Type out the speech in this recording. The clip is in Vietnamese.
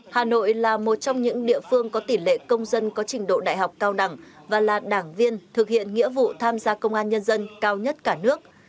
hà nội là một trong những địa phương có tỷ lệ công dân có trình độ đại học cao đẳng và là đảng viên thực hiện nghĩa vụ tham gia công an nhân dân cao nhất cả nước